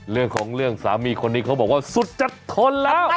เรื่องของเรื่องสามีคนนี้เขาบอกว่าสุดจัดทนแล้ว